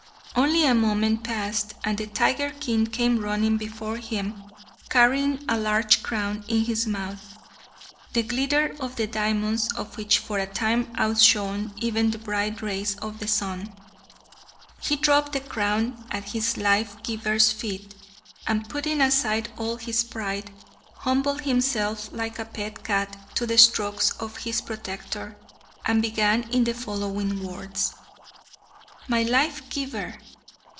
Only a moment passed, and the tiger king came running before him carrying a large crown in his mouth, the glitter of the diamonds of which for a time outshone even the bright rays of the sun. He dropped the crown at his life giver's feet, and, putting aside all his pride, humbled himself like a pet cat to the strokes of his protector, and began in the following words: "My life giver!